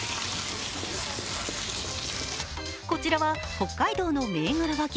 こちらは北海道の銘柄和牛